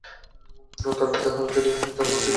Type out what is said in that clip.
তার পিতার জন্য তিনি জন্মসূত্রে মার্কিন নাগরিক।